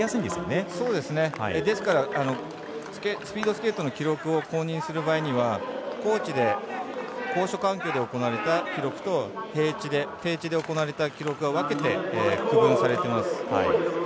ですからスピードスケートの記録を公認する場合には高地で高所環境で行われた記録と低地で行われた記録は分けて区分されています。